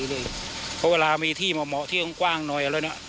เพราะเวลามีที่มาเมาะที่ค่อนข้างน้อย